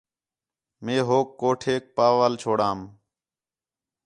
مئے ہوک کوٹھیک پا وال چھوڑام